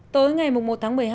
tới ngày một tháng một mươi hai